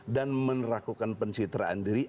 dan menerakukan pensitraan diri